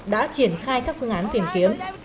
đã triển khai các phương án tìm kiếm